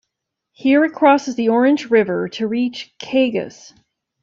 Here it crosses the Orange River to reach Koegas.